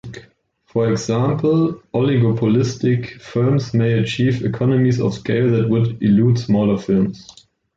For example, oligopolistic firms may achieve economies of scale that would elude smaller firms.